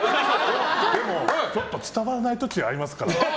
でも、ちょっと伝わらない時ありますから。